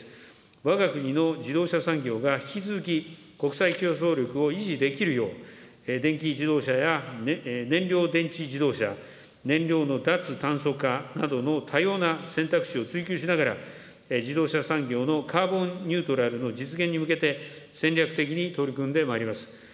わが国の自動車産業が引き続き国際競争力を維持できるよう、電気自動車や燃料電池自動車、燃料の脱炭素化などの多様な選択肢を追求しながら、自動車産業のカーボンニュートラルの実現に向けて、戦略的に取り組んでまいります。